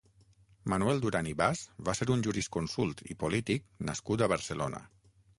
Manuel Duran i Bas va ser un jurisconsult i polític nascut a Barcelona.